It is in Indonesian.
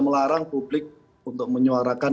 melarang publik untuk menyuarakan